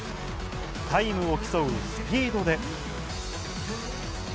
タイムを競うスピードで。